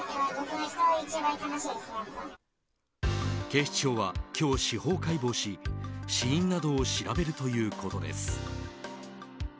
警視庁は今日、司法解剖し死因などを調べるということです。